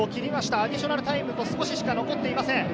アディショナルタイムと少ししか残っていません。